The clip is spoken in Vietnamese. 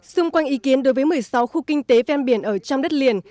xung quanh ý kiến đối với một mươi sáu khu kinh tế ven biển ở trong đất liền